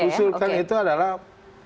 usulkan itu adalah